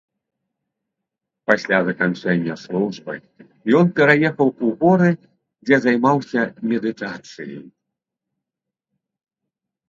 Пасля заканчэння службы ён пераехаў у горы, дзе займаўся медытацыяй.